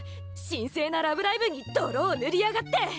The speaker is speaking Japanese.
神聖な「ラブライブ！」に泥を塗りやがって！